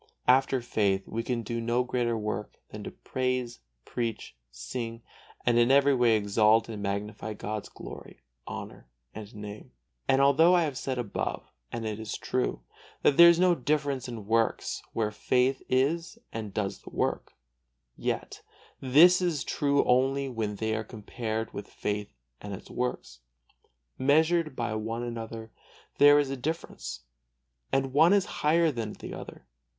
After faith we can do no greater work than to praise, preach, sing and in every way exalt and magnify God's glory, honor and Name. And although I have said above, and it is true, that there is no difference in works where faith is and does the work, yet this is true only when they are compared with faith and its works. Measured by one another there is a difference, and one is higher than the other.